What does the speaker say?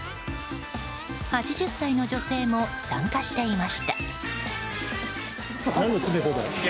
８０歳の女性も参加していました。